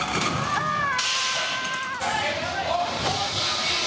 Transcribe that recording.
ああ！